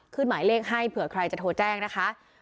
หมายเลขให้เผื่อใครจะโทรแจ้งนะคะ